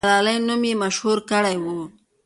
ملالۍ نوم یې مشهور کړی وو.